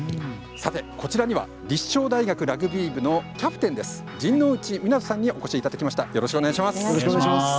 こちらには立正大学ラグビー部のキャプテン、陣内源斗さんにお越しいただきました。